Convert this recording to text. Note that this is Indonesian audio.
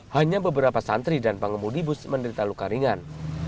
hanya beberapa santri dan pengemudi bus menderita luka ringan